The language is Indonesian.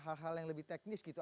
hal hal yang lebih teknis gitu